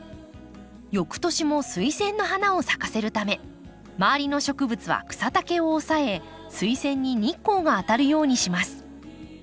翌年もスイセンの花を咲かせるため周りの植物は草丈を抑えスイセンに日光が当たるようにします。